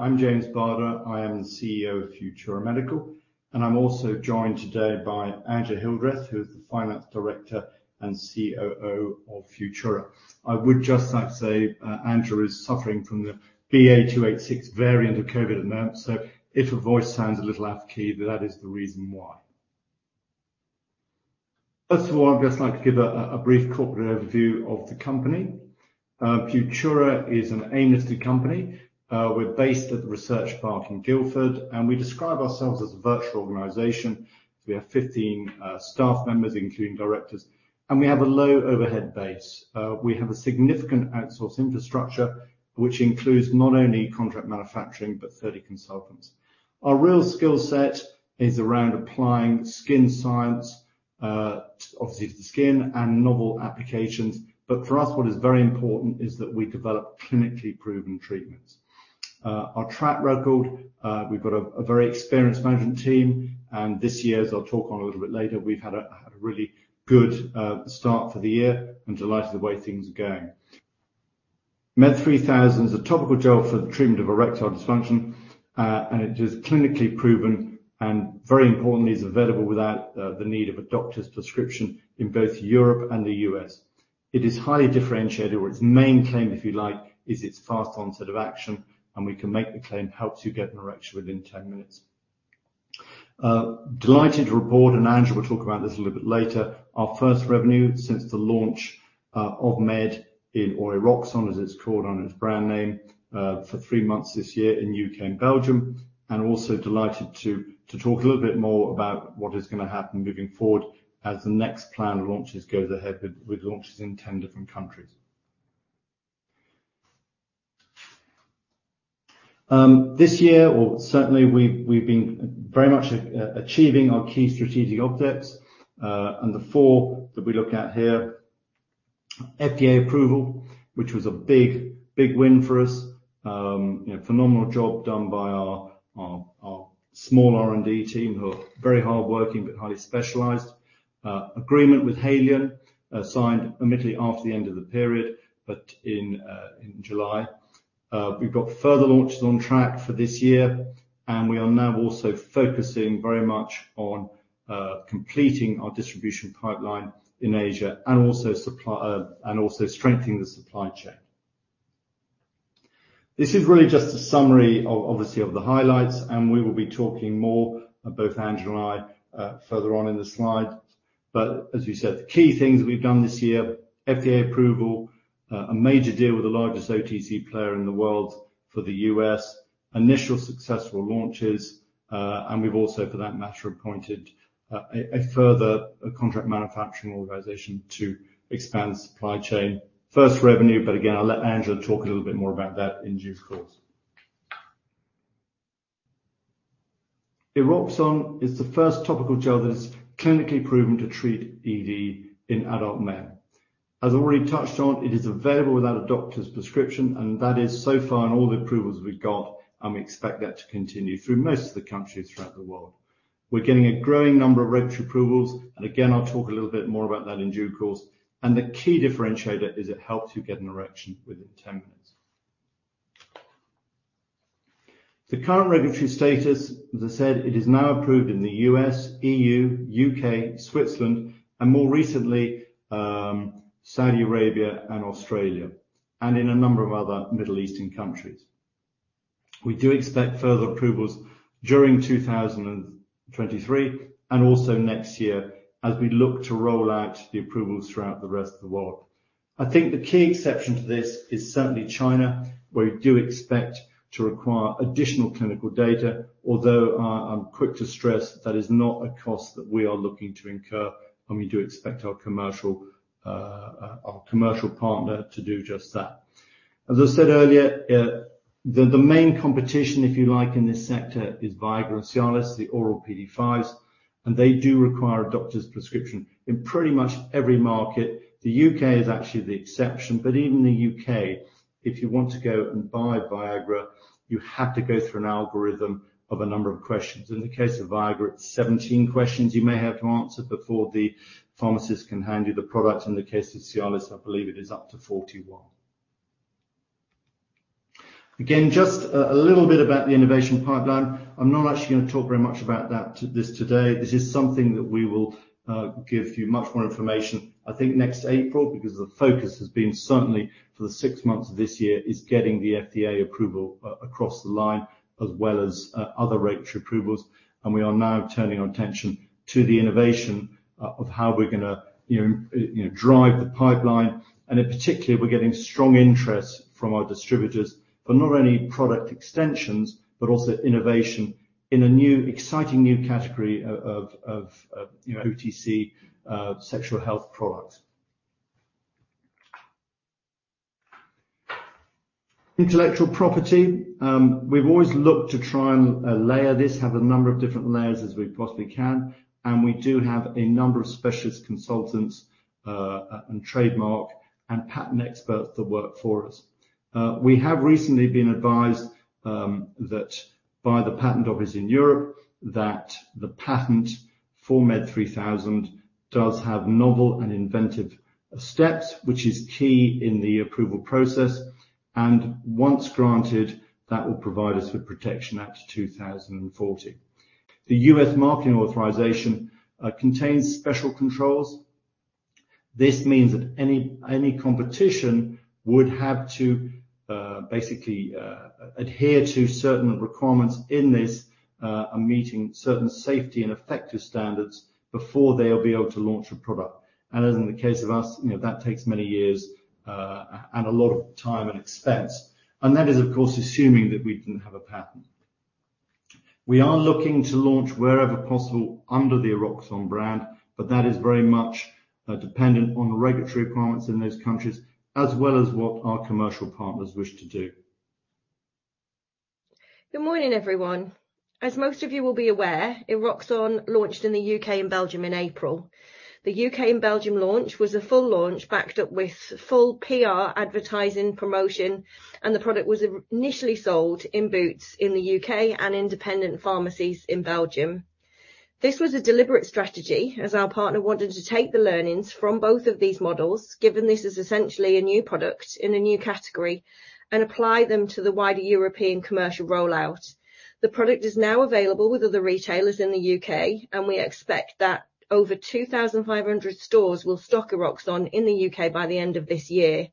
I'm James Barder. I am the CEO of Futura Medical, and I'm also joined today by Angela Hildreth, who is the Finance Director and COO of Futura. I would just like to say, Angela is suffering from the BA.2.86 variant of COVID at the moment, so if her voice sounds a little off-key, that is the reason why. First of all, I'd just like to give a brief corporate overview of the company. Futura is an AIM-listed company. We're based at the Research Park in Guildford, and we describe ourselves as a virtual organization. We have 15 staff members, including directors, and we have a low overhead base. We have a significant outsource infrastructure, which includes not only contract manufacturing, but 30 consultants. Our real skill set is around applying skin science, obviously to the skin and novel applications. But for us, what is very important is that we develop clinically proven treatments. Our track record, we've got a very experienced management team, and this year, as I'll talk on a little bit later, we've had a really good start for the year and delighted with the way things are going. MED3000 is a topical gel for the treatment of erectile dysfunction, and it is clinically proven and very importantly, is available without the need of a doctor's prescription in both Europe and the U.S. It is highly differentiated, or its main claim, if you like, is its fast onset of action, and we can make the claim, "Helps you get an erection within 10 minutes." Delighted to report, and Andrew will talk about this a little bit later, our first revenue since the launch of MED, or Eroxon, as it's called on its brand name, for three months this year in U.K. and Belgium, and also delighted to talk a little bit more about what is gonna happen moving forward as the next plan launches goes ahead with launches in 10 different countries. This year, or certainly, we've been very much achieving our key strategic updates, and the four that we look at here. FDA approval, which was a big, big win for us. You know, phenomenal job done by our small R&D team, who are very hardworking, but highly specialized. Agreement with Haleon signed admittedly after the end of the period, but in July. We've got further launches on track for this year, and we are now also focusing very much on completing our distribution pipeline in Asia and also supply and also strengthening the supply chain. This is really just a summary of obviously of the highlights, and we will be talking more both Andrew and I further on in the slide. But as you said, the key things we've done this year, FDA approval, a major deal with the largest OTC player in the world for the US, initial successful launches, and we've also, for that matter, appointed a further contract manufacturing organization to expand the supply chain. First revenue, but again, I'll let Andrew talk a little bit more about that in due course. Eroxon is the first topical gel that is clinically proven to treat ED in adult men. As already touched on, it is available without a doctor's prescription, and that is so far in all the approvals we've got, and we expect that to continue through most of the countries throughout the world. We're getting a growing number of regulatory approvals, and again, I'll talk a little bit more about that in due course. The key differentiator is it helps you get an erection within 10 minutes. The current regulatory status, as I said, it is now approved in the U.S., EU, U.K., Switzerland, and more recently, Saudi Arabia and Australia, and in a number of other Middle Eastern countries. We do expect further approvals during 2023 and also next year as we look to roll out the approvals throughout the rest of the world. I think the key exception to this is certainly China, where we do expect to require additional clinical data, although, I'm quick to stress that is not a cost that we are looking to incur, and we do expect our commercial partner to do just that. As I said earlier, the main competition, if you like, in this sector is Viagra and Cialis, the oral PDE5s, and they do require a doctor's prescription in pretty much every market. The UK is actually the exception, but even in the UK, if you want to go and buy Viagra, you have to go through an algorithm of a number of questions. In the case of Viagra, it's 17 questions you may have to answer before the pharmacist can hand you the product. In the case of Cialis, I believe it is up to 41. Again, just a little bit about the innovation pipeline. I'm not actually going to talk very much about that this today. This is something that we will give you much more information, I think, next April, because the focus has been, certainly for the six months of this year, is getting the FDA approval across the line, as well as other regulatory approvals. We are now turning our attention to the innovation of how we're gonna, you know, drive the pipeline. In particular, we're getting strong interest from our distributors for not only product extensions, but also innovation in a new, exciting new category of OTC sexual health products. Intellectual property. We've always looked to try and layer this, have a number of different layers as we possibly can, and we do have a number of specialist consultants and trademark and patent experts that work for us. We have recently been advised that by the patent office in Europe, that the patent for MED3000 does have novel and inventive steps, which is key in the approval process, and once granted, that will provide us with protection out to 2040. The U.S. marketing authorization contains special controls. This means that any competition would have to basically adhere to certain requirements in this and meeting certain safety and effective standards before they'll be able to launch a product. And as in the case of us, you know, that takes many years and a lot of time and expense, and that is, of course, assuming that we didn't have a patent. We are looking to launch wherever possible under the Eroxon brand, but that is very much, dependent on the regulatory requirements in those countries, as well as what our commercial partners wish to do. Good morning, everyone. As most of you will be aware, Eroxon launched in the U.K. and Belgium in April. The U.K. and Belgium launch was a full launch, backed up with full PR, advertising, promotion, and the product was initially sold in Boots in the U.K. and independent pharmacies in Belgium. This was a deliberate strategy, as our partner wanted to take the learnings from both of these models, given this is essentially a new product in a new category, and apply them to the wider European commercial rollout. The product is now available with other retailers in the U.K., and we expect that over 2,500 stores will stock Eroxon in the U.K. by the end of this year.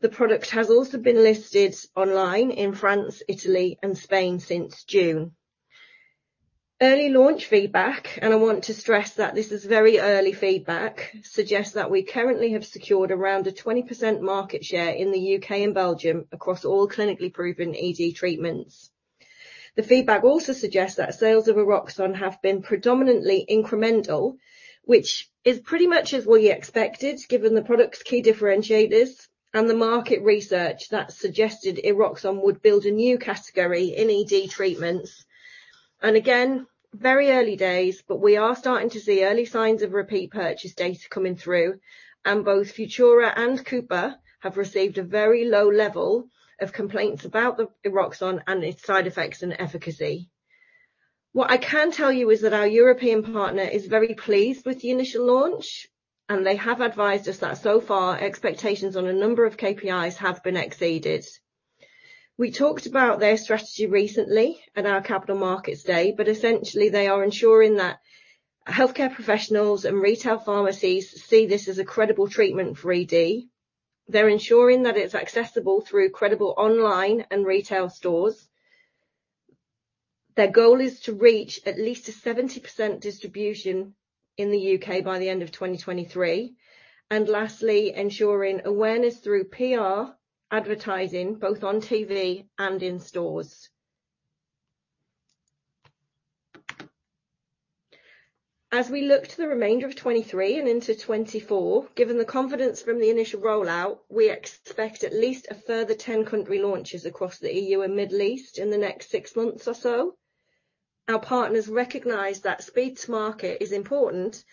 The product has also been listed online in France, Italy, and Spain since June. Early launch feedback, and I want to stress that this is very early feedback, suggests that we currently have secured around a 20% market share in the U.K. and Belgium across all clinically proven ED treatments. The feedback also suggests that sales of Eroxon have been predominantly incremental, which is pretty much as we expected, given the product's key differentiators and the market research that suggested Eroxon would build a new category in ED treatments. Again, very early days, but we are starting to see early signs of repeat purchase data coming through, and both Futura and Cooper have received a very low level of complaints about the Eroxon and its side effects and efficacy. What I can tell you is that our European partner is very pleased with the initial launch, and they have advised us that, so far, expectations on a number of KPIs have been exceeded. We talked about their strategy recently at our Capital Markets Day, but essentially, they are ensuring that healthcare professionals and retail pharmacies see this as a credible treatment for ED. They're ensuring that it's accessible through credible online and retail stores. Their goal is to reach at least 70% distribution in the UK by the end of 2023. And lastly, ensuring awareness through PR, advertising, both on TV and in stores. As we look to the remainder of 2023 and into 2024, given the confidence from the initial rollout, we expect at least a further 10 country launches across the EU and Middle East in the next six months or so. Our partners recognize that speed to market is important,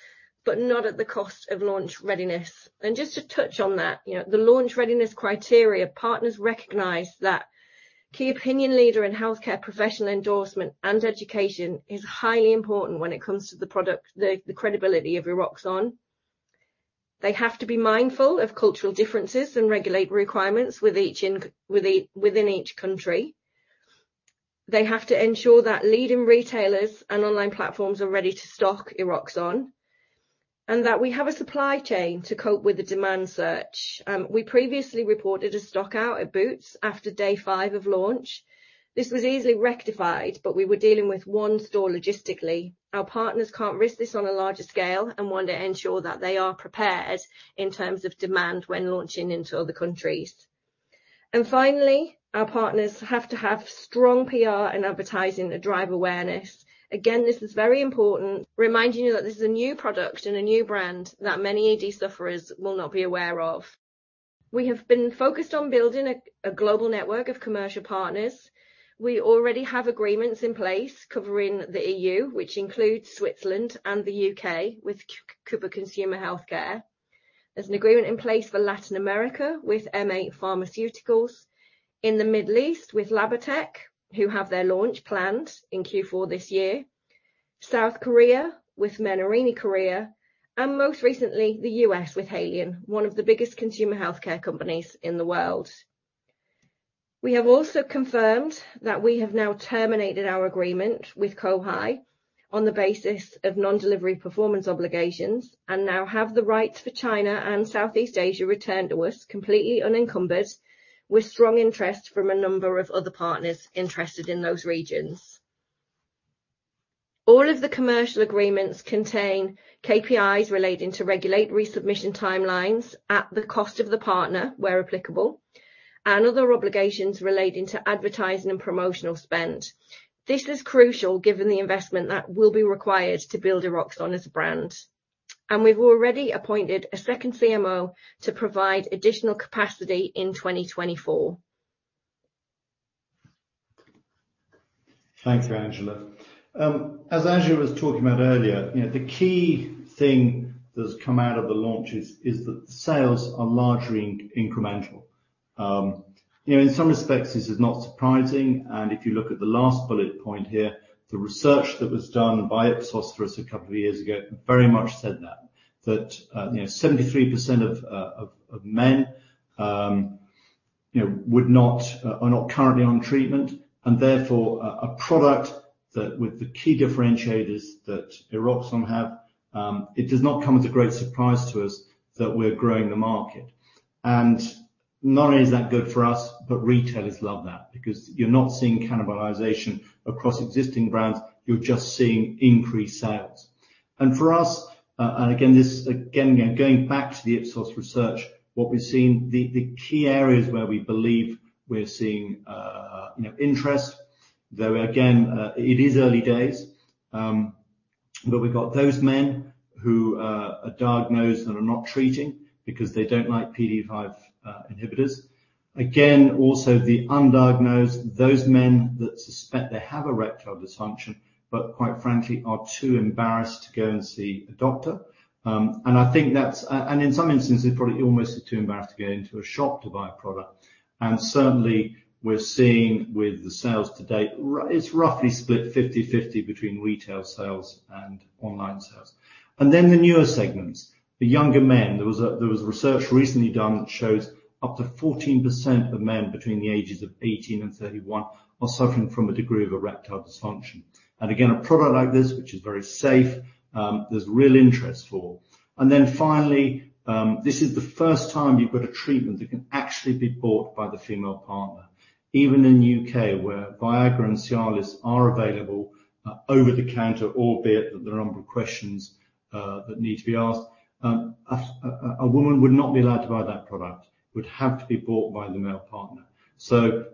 but not at the cost of launch readiness. Just to touch on that, you know, the launch readiness criteria, partners recognize that key opinion leader and healthcare professional endorsement and education is highly important when it comes to the product, the credibility of Eroxon. They have to be mindful of cultural differences and regulatory requirements within each country. They have to ensure that leading retailers and online platforms are ready to stock Eroxon, and that we have a supply chain to cope with the demand search. We previously reported a stock out at Boots after day five of launch. This was easily rectified, but we were dealing with one store logistically. Our partners can't risk this on a larger scale and want to ensure that they are prepared in terms of demand when launching into other countries. And finally, our partners have to have strong PR and advertising to drive awareness. Again, this is very important, reminding you that this is a new product and a new brand that many ED sufferers will not be aware of. We have been focused on building a global network of commercial partners. We already have agreements in place covering the E.U., which includes Switzerland and the U.K., with Cooper Consumer Health. There's an agreement in place for Latin America with M8 Pharmaceuticals, in the Middle East with Labatec, who have their launch planned in Q4 this year, South Korea with Menarini Korea, and most recently, the U.S. with Haleon, one of the biggest consumer healthcare companies in the world. We have also confirmed that we have now terminated our agreement with Kohai on the basis of non-delivery performance obligations, and now have the rights for China and Southeast Asia returned to us, completely unencumbered, with strong interest from a number of other partners interested in those regions. All of the commercial agreements contain KPIs relating to regulatory resubmission timelines at the cost of the partner, where applicable, and other obligations relating to advertising and promotional spend. This is crucial, given the investment that will be required to build Eroxon as a brand, and we've already appointed a second CMO to provide additional capacity in 2024. Thanks, Angela. As Angela was talking about earlier, you know, the key thing that's come out of the launch is that sales are largely incremental. You know, in some respects, this is not surprising, and if you look at the last bullet point here, the research that was done by Ipsos for us a couple of years ago very much said that. That, you know, 73% of men are not currently on treatment, and therefore, a product that with the key differentiators that Eroxon have, it does not come as a great surprise to us that we're growing the market. And not only is that good for us, but retailers love that because you're not seeing cannibalization across existing brands, you're just seeing increased sales. And for us, and again, this... Again, going back to the Ipsos research, what we're seeing, the key areas where we believe we're seeing, you know, interest, though, again, it is early days, but we've got those men who are diagnosed and are not treating because they don't like PDE5 inhibitors. Again, also the undiagnosed, those men that suspect they have erectile dysfunction, but quite frankly, are too embarrassed to go and see a doctor. And I think that's and in some instances, they probably almost are too embarrassed to go into a shop to buy a product. And certainly, we're seeing with the sales to date, it's roughly split 50/50 between retail sales and online sales. And then, the newer segments, the younger men. There was research recently done that shows up to 14% of men between the ages of 18 and 31 are suffering from a degree of erectile dysfunction. And again, a product like this, which is very safe, there's real interest for. This is the first time you've got a treatment that can actually be bought by the female partner. Even in the U.K., where Viagra and Cialis are available over the counter, albeit that there are a number of questions that need to be asked, a woman would not be allowed to buy that product. It would have to be bought by the male partner. So,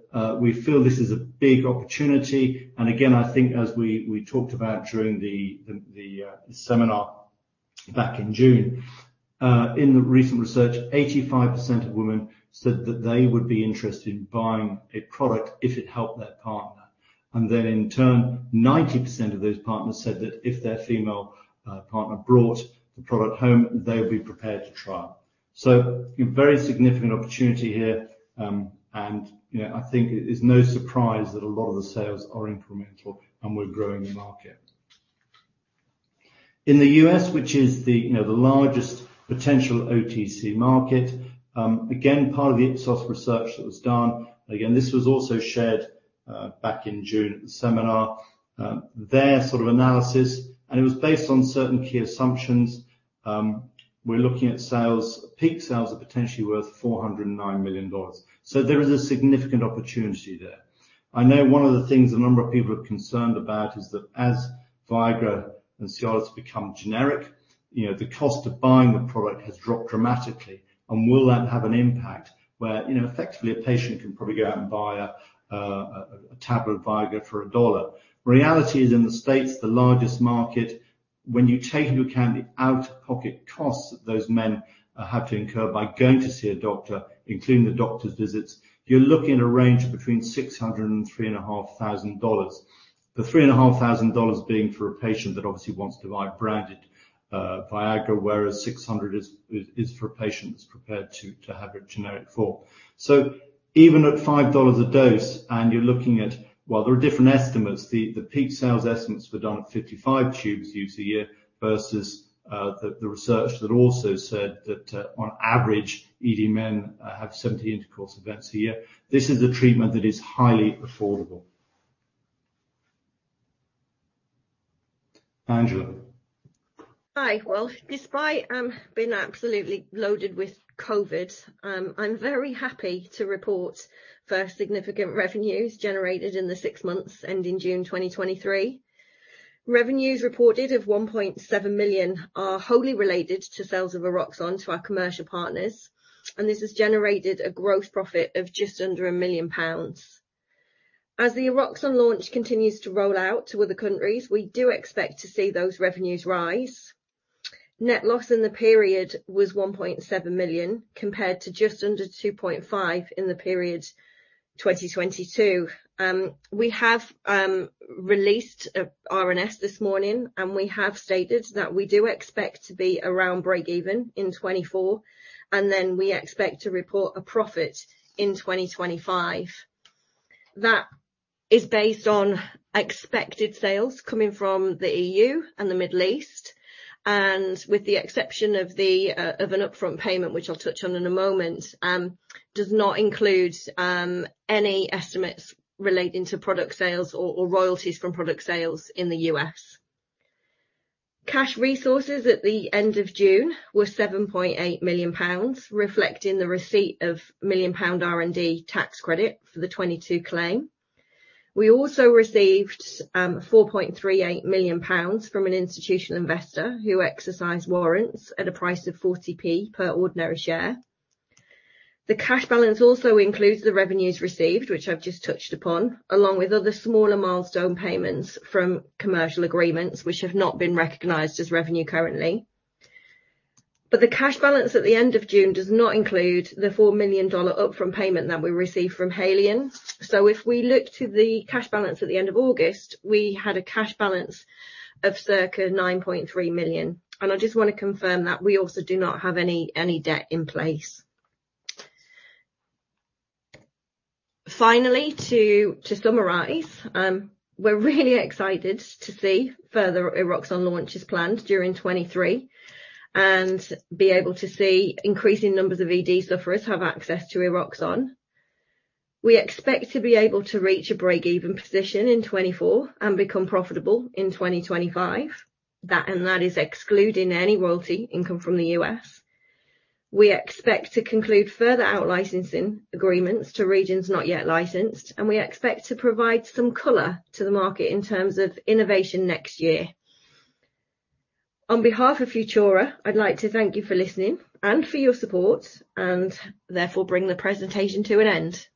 we feel this is a big opportunity, and again, I think as we talked about during the seminar back in June, in the recent research, 85% of women said that they would be interested in buying a product if it helped their partner. And then, in turn, 90% of those partners said that if their female partner brought the product home, they would be prepared to try. So a very significant opportunity here, and, you know, I think it's no surprise that a lot of the sales are incremental, and we're growing the market. In the U.S., which is, you know, the largest potential OTC market, again, part of the Ipsos research that was done, again, this was also shared back in June at the seminar. Their sort of analysis, and it was based on certain key assumptions, we're looking at sales, peak sales are potentially worth $409 million. So there is a significant opportunity there. I know one of the things a number of people are concerned about is that as Viagra and Cialis become generic, you know, the cost of buying the product has dropped dramatically, and will that have an impact where, you know, effectively, a patient can probably go out and buy a tablet of Viagra for $1? Reality is, in the States, the largest market, when you take into account the out-of-pocket costs that those men have to incur by going to see a doctor, including the doctor's visits, you're looking at a range of between $603 and $3,500. The $3,500 being for a patient that obviously wants to buy branded, Viagra, whereas $600 is for a patient that's prepared to have a generic form. So even at $5 a dose, and you're looking at... Well, there are different estimates. The peak sales estimates were done at 55 tubes used a year versus the research that also said that on average, ED men have 70 intercourse events a year. This is a treatment that is highly affordable. Angela? Hi. Well, despite being absolutely loaded with COVID, I'm very happy to report first significant revenues generated in the six months ending June 2023. Revenues reported of 1.7 million are wholly related to sales of Eroxon to our commercial partners, and this has generated a gross profit of just under 1 million pounds. As the Eroxon launch continues to roll out to other countries, we do expect to see those revenues rise. Net loss in the period was 1.7 million, compared to just under 2.5 million in the period 2022. We have released a RNS this morning, and we have stated that we do expect to be around breakeven in 2024, and then we expect to report a profit in 2025. That is based on expected sales coming from the E.U. and the Middle East, and with the exception of an upfront payment, which I'll touch on in a moment, does not include any estimates relating to product sales or royalties from product sales in the U.S. Cash resources at the end of June were 7.8 million pounds, reflecting the receipt of a 1 million pound R&D tax credit for the 2022 claim. We also received 4.38 million pounds from an institutional investor who exercised warrants at a price of 40p per ordinary share. The cash balance also includes the revenues received, which I've just touched upon, along with other smaller milestone payments from commercial agreements, which have not been recognized as revenue currently. But the cash balance at the end of June does not include the $4 million upfront payment that we received from Haleon. So if we look to the cash balance at the end of August, we had a cash balance of circa 9.3 million, and I just want to confirm that we also do not have any, any debt in place. Finally, to summarize, we're really excited to see further Eroxon launches planned during 2023, and be able to see increasing numbers of ED sufferers have access to Eroxon. We expect to be able to reach a breakeven position in 2024 and become profitable in 2025. That, and that is excluding any royalty income from the U.S. We expect to conclude further out-licensing agreements to regions not yet licensed, and we expect to provide some color to the market in terms of innovation next year. On behalf of Futura, I'd like to thank you for listening and for your support, and therefore, bring the presentation to an end.